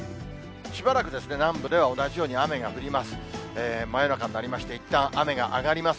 しばらく南部では同じように雨が降ります。